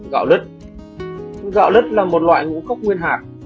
một gạo lứt gạo lứt là một loại ngũ cốc nguyên hạt